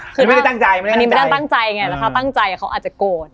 อันนี้ไม่ได้ตั้งใจอันนี้ไม่ได้ตั้งใจไงแล้วถ้าตั้งใจเขาอาจจะโกรธ